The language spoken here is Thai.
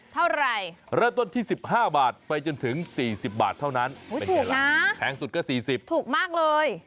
เท่าไหร่เริ่มต้นที่๑๕บาทไปจนถึง๔๐บาทเท่านั้นแพงสุดก็๔๐ถูกมากเลย